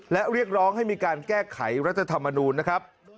และเรียกร้องให้มีการแก้ไขรัฐธรรมนูลนะครับ